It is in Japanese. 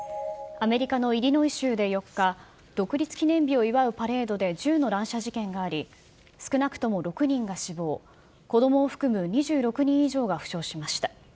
アメリカのイリノイ州で４日、独立記念日を祝うパレードで銃の乱射事件があり、少なくとも６人が死亡、子どもを含む２６人以上が負傷しました。